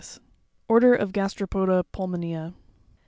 ORDER OF GASTEROPODA PULIMONEA.